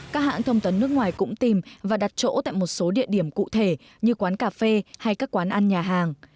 các hãng thông tấn nước ngoài cũng tìm và đặt chỗ tại một số địa điểm cụ thể như quán cà phê hay các quán ăn nhà hàng